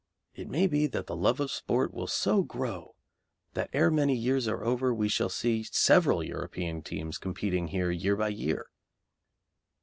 It may be that the love of sport will so grow that ere many years are over we shall see several European teams competing here year by year.